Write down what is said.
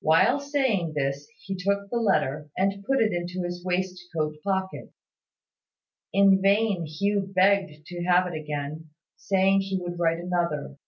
While saying this, he took the letter, and put it into his waistcoat pocket. In vain Hugh begged to have it again, saying he would write another.